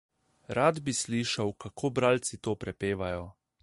Rad bi slišal, kako bralci to prepevajo.